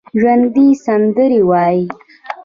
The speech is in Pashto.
ژوندي سندرې وايي